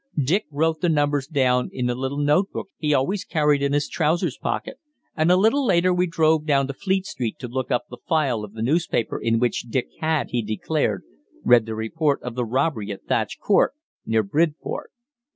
Dick wrote the numbers down in the little notebook he always carried in his trousers pocket, and a little later we drove down to Fleet Street to look up the file of the newspaper in which Dick had, he declared, read the report of the robbery at Thatched Court, near Bridport.